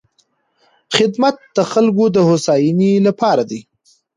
خدمت د خلکو د هوساینې لپاره دی.